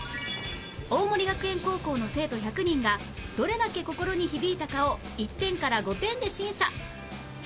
大森学園高校の生徒１００人がどれだけ心に響いたかを１点から５点で審査